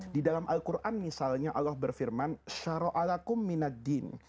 di dalam al quran misalnya allah berfirman